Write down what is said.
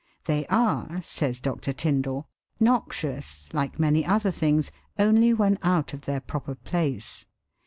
" They are," says Dr. Tyndall, " noxious, like many other things, only when out of their proper place.